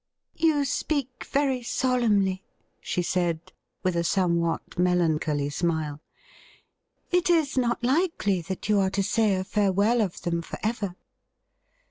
' You speak very solemnly,' she said, with a somewhat melancholy smile. ' It is not likely that you are to say a farewell of them for ever.'